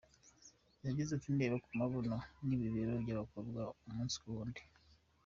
Yagize ati “Ndeba ku mabuno n’ibibero by’abakobwa umunsi ku wundi.